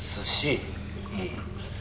うん。